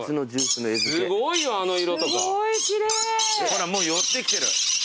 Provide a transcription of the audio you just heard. ほらもう寄ってきてる。